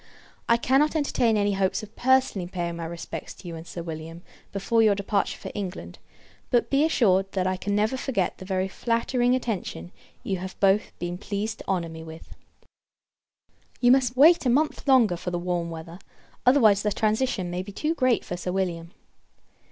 I cannot entertain any hopes of personally paying my respects to you and Sir William, before your departure for England; but, be assured, that I can never forget the very flattering attention you have both been pleased to honour me with. You must wait a month longer, for the warm weather; otherwise, the transition may be too great for Sir William.